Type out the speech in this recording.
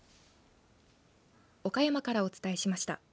岡山からお伝えしました。